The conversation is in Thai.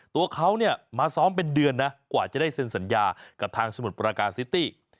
ตัวเขาเนี่ยมาซ้อมเป็นเดือนนะกว่าจะได้เซ็นสัญญากับทางสมุทรปราการซิตี้